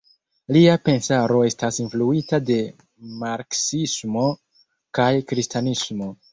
Lia pensaro estas influita de marksismo kaj kristanismo.